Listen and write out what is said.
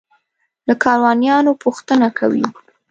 له کاروانیانو پوښتنه کوي.